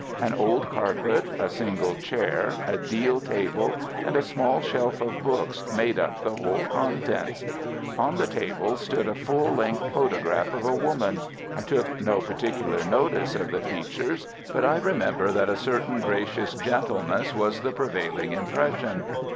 An old carpet, a single chair, a deal table, and a small shelf of books made up the whole contents. On the table stood a full length photograph of a woman—I took no particular notice of the features, but I remember that a certain gracious gentleness was the prevailing impression.